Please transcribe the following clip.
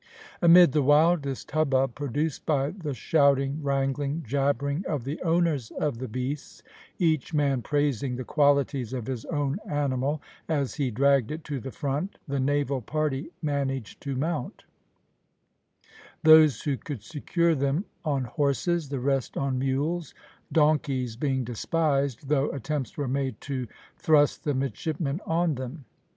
Amid the wildest hubbub produced by the shouting, wraggling, jabbering of the owners of the beasts, each man praising the qualities of his own animal as he dragged it to the front, the naval party managed to mount; those who could secure them, on horses, the rest on mules; donkeys being despised, though attempts were made to thrust the midshipmen on them.